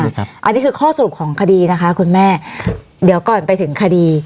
อันนี้คือข้อสรุปของคดีนะคะคุณแม่เดี๋ยวก่อนไปถึงคดี